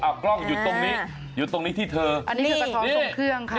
กล้องอยู่ตรงนี้อยู่ตรงนี้ที่เธออันนี้คือกระท้อตรงเครื่องค่ะ